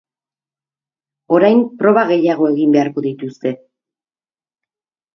Orain proba gehiago egin beharko dituzte.